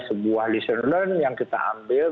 sebuah disenuran yang kita ambil